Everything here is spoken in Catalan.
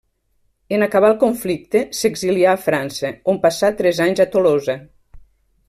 En acabar el conflicte, s'exilià a França, on passà tres anys a Tolosa.